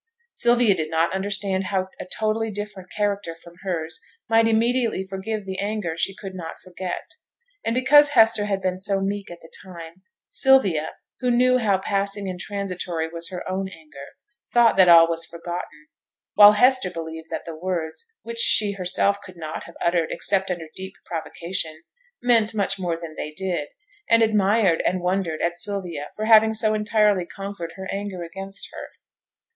Sylvia did not understand how a totally different character from hers might immediately forgive the anger she could not forget; and because Hester had been so meek at the time, Sylvia, who knew how passing and transitory was her own anger, thought that all was forgotten; while Hester believed that the words, which she herself could not have uttered except under deep provocation, meant much more than they did, and admired and wondered at Sylvia for having so entirely conquered her anger against her.